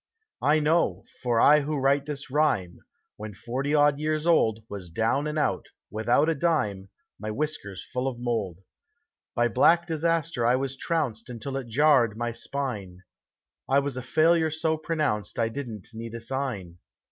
I know, for I who write this rhyme, when forty odd years old, was down and out, without a dime, my whiskers full of mold. By black disaster I was trounced until it jarred my spine; I was a failure so pronounced I didn't need a sign.